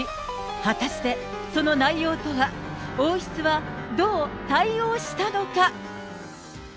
果たして、その内容とは。王室はどう対応したのか。